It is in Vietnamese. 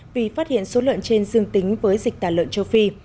vì phát hiện số lợn trên dương tính với dịch tả lợn châu phi